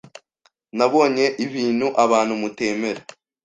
Nabonye ibintu abantu mutemera.